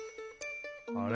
あれ？